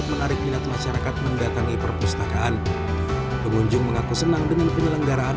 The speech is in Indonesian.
menarik minat masyarakat mendatangi perpustakaan pengunjung mengaku senang dengan penyelenggaraan